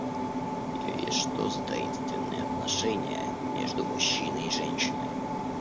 И что за таинственные отношения между мужчиной и женщиной?